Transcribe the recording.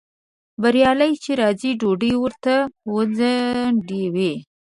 بریالی چې راځي ډوډۍ ورته وځنډوئ